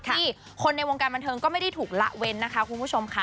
ที่คนในวงการบันเทิงก็ไม่ได้ถูกละเว้นนะคะคุณผู้ชมค่ะ